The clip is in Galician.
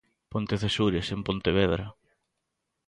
Pontecesures, en Pontevedra.